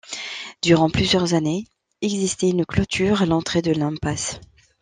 Durant plusieurs années existait une clôture à l'entrée de l'impasse.